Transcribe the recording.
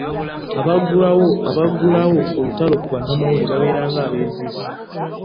Abaggulawo olutalo ku bannamawulire babeera ng’abeeziise.